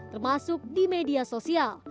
termasuk di media sosial